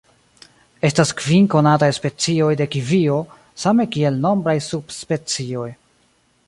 Estas kvin konataj specioj de kivio, same kiel nombraj subspecioj.